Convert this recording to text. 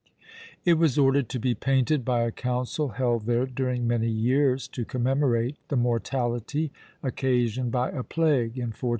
It was ordered to be painted by a council held there during many years, to commemorate the mortality occasioned by a plague in 1439.